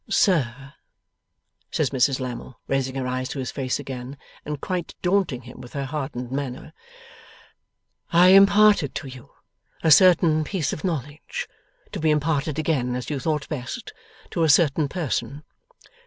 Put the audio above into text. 'Sir,' says Mrs Lammle, raising her eyes to his face again, and quite daunting him with her hardened manner, 'I imparted to you a certain piece of knowledge, to be imparted again, as you thought best, to a certain person.